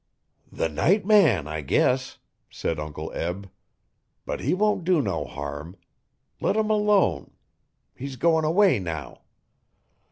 'The night man, I guess,' said Uncle Be, 'but he won't do no harm. Let him alone; he's going' away now.'